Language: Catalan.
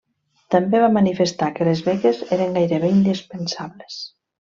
També va manifestar que les beques eren gairebé indispensables.